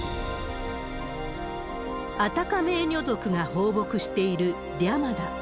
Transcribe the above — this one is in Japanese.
アタカメーニョ族が放牧しているリャマだ。